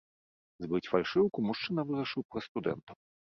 Збыць фальшыўку мужчына вырашыў праз студэнтаў.